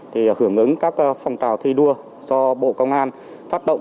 thì hưởng ứng các phong trào thi đua do bộ công an phát động